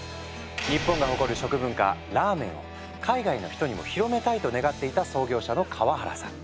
日本が誇る食文化ラーメンを海外の人にも広めたいと願っていた創業者の河原さん。